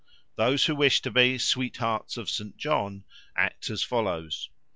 Those who wish to be "Sweethearts of St. John" act as follows.